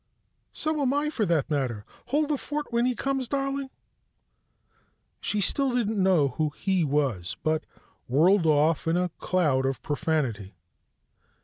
So am I, for that matter. Hold the fort when he comes, darling." She still didn't know who "he" was, but whirled off in a cloud of profanity.